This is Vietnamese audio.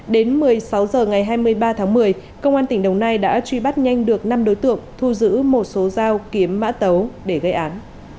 đến một mươi sáu h ngày hai mươi ba tháng một mươi công an tỉnh đồng nai đã truy bắt nhanh được năm đối tượng thu giữ một số dao kiếm mã tấu để gây án